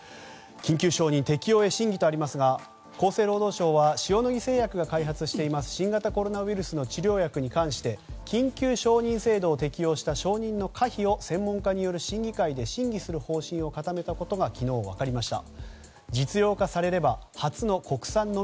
緊急承認適用とありますが厚生労働省は塩野義製薬が開発していますが新型コロナウイルスの治療薬に関し緊急承認制度など承認の可否を審議会で審議する方針を固めたことが分かりました。